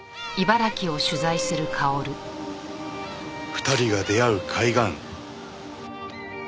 ２人が出会う海岸。